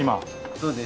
そうです。